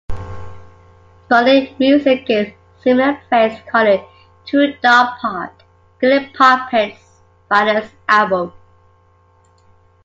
Sputnikmusic gave similar praise, calling "Too Dark Park" Skinny Puppy's finest album.